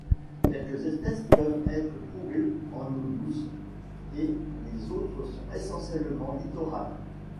Quelques espèces peuvent être trouvées en eaux douces, et les autres sont essentiellement littorales.